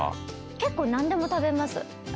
結構何でも食べます。